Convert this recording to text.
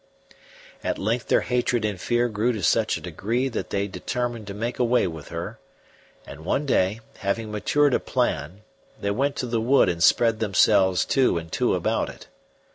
At length their hatred and fear grew to such a degree that they determined to make away with her, and one day, having matured a plan, they went to the wood and spread themselves two and two about it.